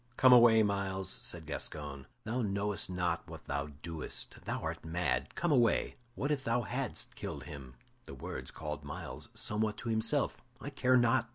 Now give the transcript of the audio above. "Come away, Myles," said Gascoyne; "thou knowest not what thou doest; thou art mad; come away. What if thou hadst killed him?" The words called Myles somewhat to himself. "I care not!"